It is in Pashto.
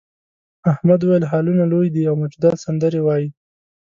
احمد وویل هالونه لوی دي او موجودات سندرې وايي.